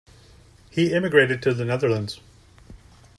He emigrated to the Netherlands.